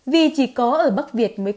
vì chỉ có ở bắc việt mới có